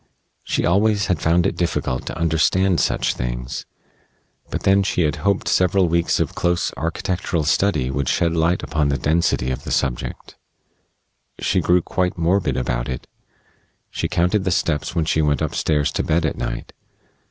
She always had found it difficult to understand such things; but then she had hoped several weeks of close architectural study would shed light upon the density of the subject. She grew quite morbid about it. She counted the steps when she went up stairs to bed at night.